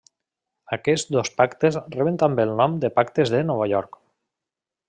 Aquests dos Pactes reben també el nom de Pactes de Nova York.